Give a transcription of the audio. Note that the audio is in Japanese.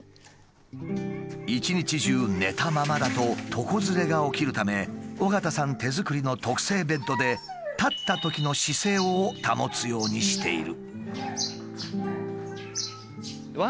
一日中寝たままだと床ずれが起きるため緒方さん手作りの特製ベッドで立ったときの姿勢を保つようにしている。